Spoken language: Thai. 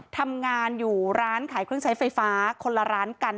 ทำงานอยู่ร้านขายเครื่องใช้ไฟฟ้าคนละร้านกัน